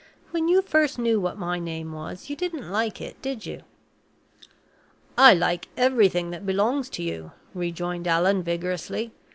"When you first knew what my name was, you didn't like it, did you?" "I like everything that belongs to you," rejoined Allan, vigorously.